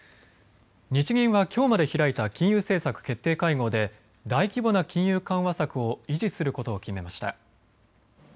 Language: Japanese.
日銀はきょうまで開いた金融政策決定会合で大規模な金融緩和策を維持することを決めました。